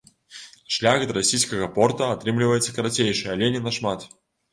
Шлях да расійскага порта атрымліваецца карацейшы, але не нашмат.